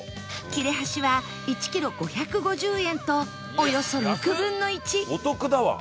切れ端は１キロ５５０円とおよそ６分の１お得だわ。